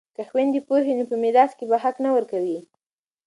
که خویندې پوهې وي نو په میراث کې به حق نه ورکوي.